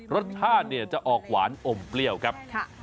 รสชาติเนี่ยจะออกหวานอมเปรี้ยวครับ